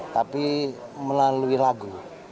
tapi melalui lagu